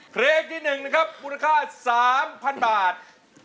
เพลงที่หนึ่งนะครับบุรค่า๓๐๐๐บาท